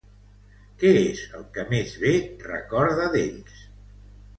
Què és el que més bé recorda d'ells?